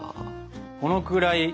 このくらい。